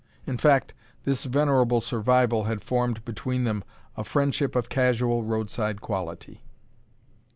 In fact, this venerable survival had formed between them a friendship of casual roadside quality.